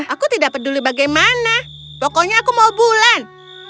aku tidak peduli bagaimana pokoknya aku mau bulan